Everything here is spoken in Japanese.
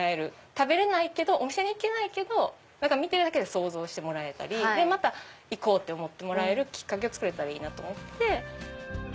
食べれないお店に行けないけど見るだけで想像してもらえたりまた行こうって思えるきっかけをつくれたらいいなと思って。